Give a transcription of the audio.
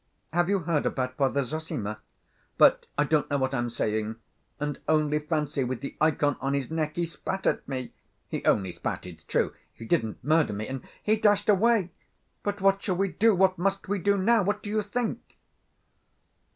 Have you heard about Father Zossima?... But I don't know what I'm saying ... and only fancy, with the ikon on his neck he spat at me.... He only spat, it's true, he didn't murder me and ... he dashed away! But what shall we do, what must we do now? What do you think?"